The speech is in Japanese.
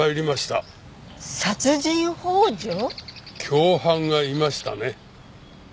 共犯がいましたね？